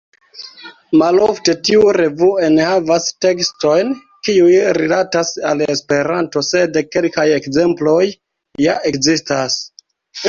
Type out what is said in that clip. Malofte tiu revuo enhavas tekstojn kiuj rilatas al Esperanto, sed kelkaj ekzemploj ja ekzistas.